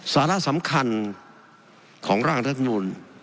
สาระสำคัญของร่างรัฐมนุน